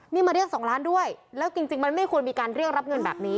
นี่มาเรียก๒ล้านด้วยแล้วจริงมันไม่ควรมีการเรียกรับเงินแบบนี้